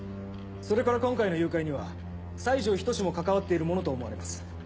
それから今回の誘拐には西城等も関わっているものと思われます。